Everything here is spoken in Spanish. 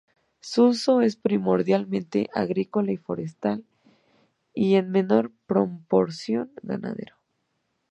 Su uso es primordialmente agrícola y forestal y en menor proporción ganadero.